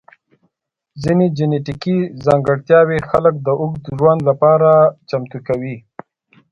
ځینې جنیټیکي ځانګړتیاوې خلک د اوږد ژوند لپاره چمتو کوي.